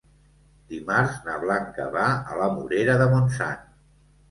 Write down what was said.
Dimarts na Blanca va a la Morera de Montsant.